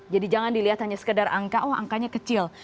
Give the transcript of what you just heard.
jadi jangan dilihat hanya sekedar angka oh angkanya kecil